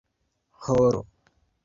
horo